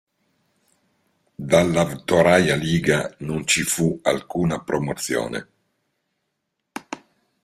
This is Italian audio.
Dalla Vtoraja liga non ci fu alcuna promozione.